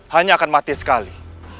hanya akan mati sekali